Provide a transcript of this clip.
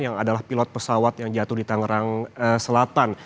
yang adalah pilot pesawat yang jatuh di tangerang selatan